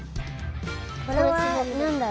これはなんだろう？